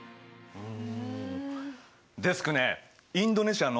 うん。